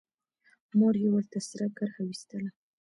مور يې ورته سره کرښه وايستله.